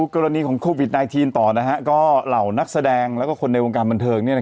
กรณีของโควิด๑๙ต่อก็เหล่านักแสดงแล้วก็คนในวงการบันเทิง